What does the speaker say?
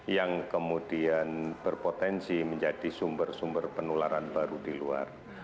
yang kemudian berpotensi menjadi sumber sumber penularan baru di luar